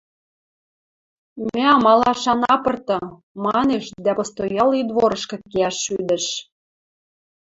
– Мӓ амалаш ана пырты, – манеш дӓ постоялый дворышкы кеӓш шӱдӹш.